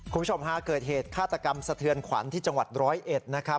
คุณผู้ชมฮะเกิดเหตุฆาตกรรมสะเทือนขวัญที่จังหวัดร้อยเอ็ดนะครับ